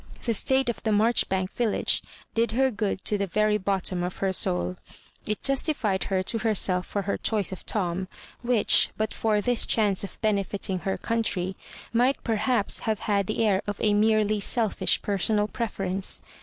The state of the Mardibank village did her good to the very bottom of her souL It justified her to herself for her dioice of Tom, which, but for this chance of benefiting her country, might perhaps have had the air of a merely selfish personal preference.